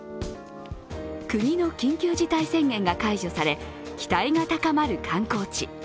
国の緊急事態宣言が解除され期待が高まる観光地。